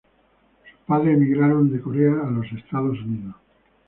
Sus padres emigraron de Corea a los Estados Unidos.